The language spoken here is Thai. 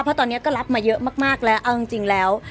เพราะตอนนี้ก็รับมาเยอะมากแล้วเอาจริงแล้ว